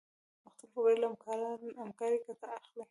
مختلف وګړي له همکارۍ ګټه اخلي.